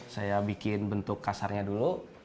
saya bikin bentuk kasarnya dulu